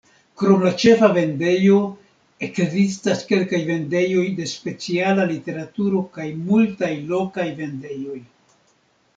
Krom la ĉefa vendejo, ekzistas kelkaj vendejoj de speciala literaturo kaj multaj lokaj vendejoj.